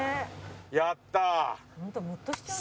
やったあ。